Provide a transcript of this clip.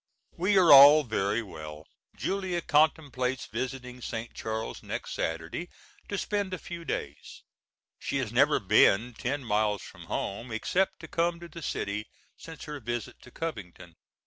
We are all very well. Julia contemplates visiting St. Charles next Saturday to spend a few days. She has never been ten miles from home, except to come to the city, since her visit to Covington.